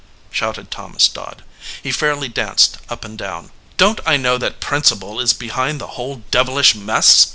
shouted Thomas Dodd. He fairly danced up and down. "Don t I know that principle is behind the whole devilish mess